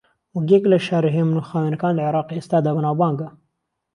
وەک یەکێک لە شارە ھێمن و خاوێنەکان لە عێراقی ئێستادا بەناوبانگە